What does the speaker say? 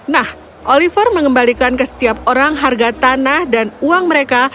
nah oliver mengembalikan ke setiap orang harga tanah dan uang mereka